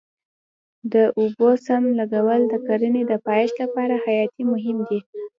د اوبو سم لګول د کرنې د پایښت لپاره حیاتي مهم دی.